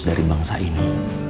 dari bangsa ini